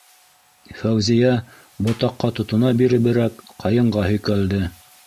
- Фәүзиә ботаҡҡа тотона биреберәк ҡайынға һөйәлде.